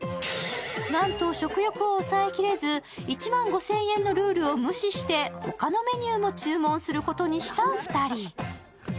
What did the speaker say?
なんと、食欲を抑え切れず、１万５０００円のルールを無視してほかのメニューも注文することにした２人。